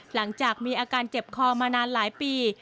หลังจากมีอาการเจ็บคอมานานหลายปี